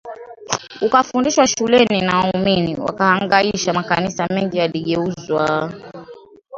ukafundishwa shuleni na waumini wakahangaishwa Makanisa mengi yaligeuzwa